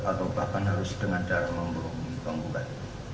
atau bahkan harus dengan jarang memburungi penggugat